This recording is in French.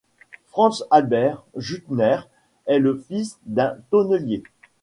Franz Albert Jüttner est le fils d'un tonnelier.